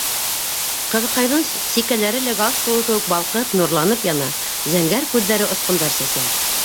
Ҡыҙыҡайҙың сикәләре лә галстугы кеүек балҡып, нурланып яна, зәңгәр күҙҙәре осҡондар сәсә.